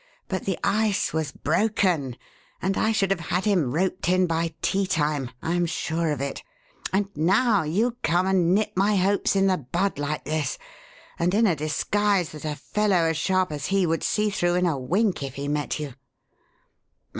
But the ice was broken and I should have had him 'roped in' by teatime I am sure of it. And now you come and nip my hopes in the bud like this. And in a disguise that a fellow as sharp as he would see through in a wink if he met you."